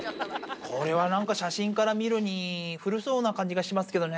これはなんか写真から見るに、古そうな感じがしますけどね。